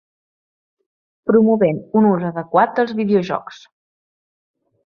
Promovent un ús adequat dels videojocs.